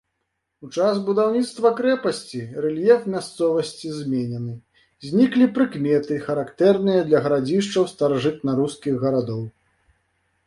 У час будаўніцтва крэпасці рэльеф мясцовасці зменены, зніклі прыкметы, характэрныя для гарадзішчаў старажытнарускіх гарадоў.